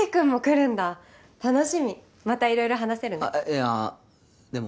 いやでも。